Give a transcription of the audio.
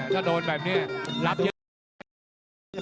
ถ้าโดนแบบนี้รับเยอะ